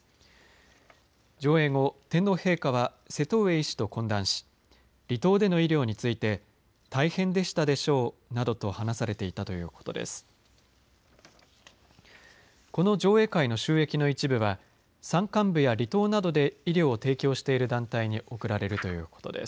上映後天皇陛下は瀬戸上医師と懇談し離島での医療について大変でしたでしょうなどと話されていたということです。